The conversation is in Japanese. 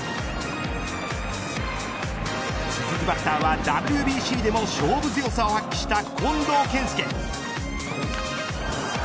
続くバッターはＷＢＣでも勝負強さを発揮した近藤健介。